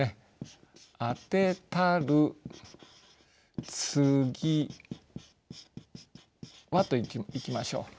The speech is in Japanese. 「当てたる継は」といきましょう。